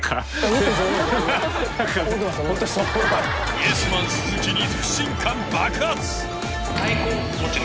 イエスマン鈴木に不信感爆発。